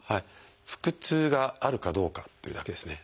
腹痛があるかどうかっていうだけですね。